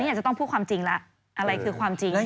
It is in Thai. อันนี้อาจจะต้องพูดความจริงล่ะอะไรคือความจริง